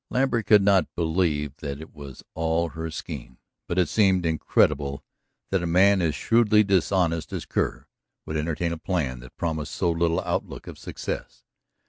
Lambert could not believe that it was all her scheme, but it seemed incredible that a man as shrewdly dishonest as Kerr would entertain a plan that promised so little outlook of success.